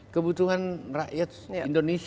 kebutuhan rakyat indonesia